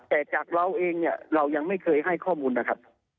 แต่จากเราเองเนี่ยเรายังไม่เคยให้ข้อมูลนะครับ